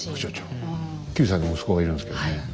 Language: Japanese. ９歳の息子がいるんですけどね